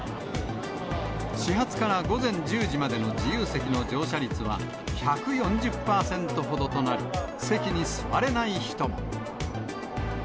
始発から午前１０時までの自由席の乗車率は、１４０％ほどとなり、席に座れない人も。